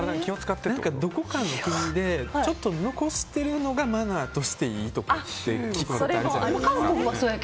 どこかの国でちょっと残しているのがマナーとしていいとかって聞いたことあるじゃないですか。